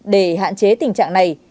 để hạn chế tình trạng này